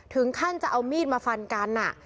ถึงขั้นจะเอามีดมาฟันกัน